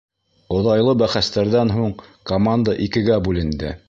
Оҙайлы бәхәстәрҙән һуң команда икегә бүленде.